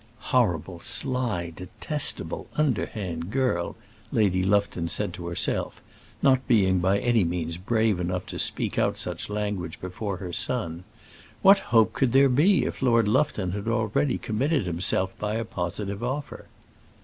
"Horrid, sly, detestable, underhand girl," Lady Lufton said to herself, not being by any means brave enough to speak out such language before her son. What hope could there be if Lord Lufton had already committed himself by a positive offer?